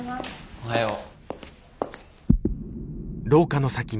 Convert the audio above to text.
おはよう。